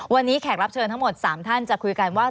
วันนี้แขกรับเชิญทั้งหมด๓ท่านจะคุยกันว่า